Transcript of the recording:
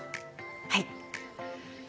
はい。